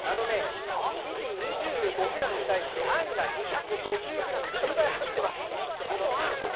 あのね、生地２５グラムに対してあんが２５０グラム、１０倍入ってます。